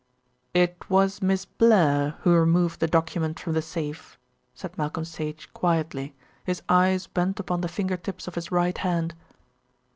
"It was Miss Blair who removed the document from the safe," said Malcolm Sage quietly, his eyes bent upon the finger tips of his right hand.